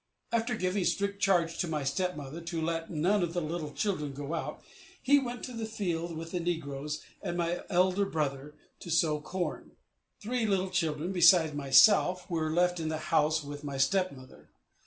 After giving strict charge to my stepmother to let none of the little children go out, he went to the field, with the negroes, and my elder brother, to sow corn. Three little children, besides myself, were left in the house with my stepmother.